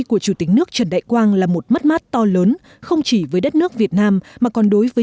của chủ tịch nước trần đại quang là một mất mát to lớn không chỉ với đất nước việt nam mà còn đối với